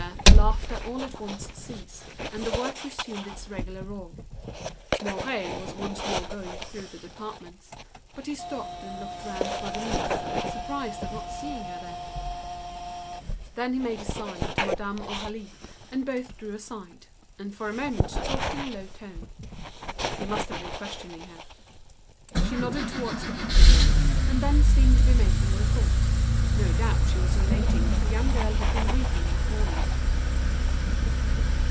The laughter ceased all at once, and the work resumed its regular roar. It was Mouret who was once more going through the departments. But he stopped and looked round for Denise, surprised not to see her there. He made a sign to Madame Aurélie; and both drew aside, talking in a low tone for a moment. He must be questioning her. She indicated with her eyes the pattern room, then seemed to be making a report. No doubt she was relating that the young girl had been weeping that morning.